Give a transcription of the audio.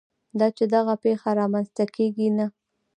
دا چې دغه پېښه رامنځته کېږي که نه.